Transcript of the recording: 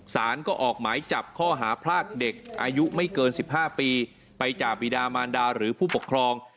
สารก็ออกหมายจับข้อหาพรากเด็กอายุไม่เกิน๑๕ปีไปจากบิดามานดาหรือผู้ปกครอง